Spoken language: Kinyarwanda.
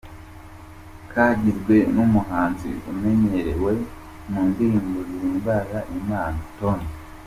Kagizwe n’umuhanzi umenyerewe mu ndirimbo zihimbaza Imana, Tonzi.